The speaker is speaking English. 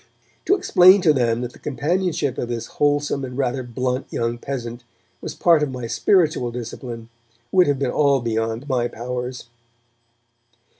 To explain to them that the companionship of this wholesome and rather blunt young peasant was part of my spiritual discipline would have been all beyond my powers.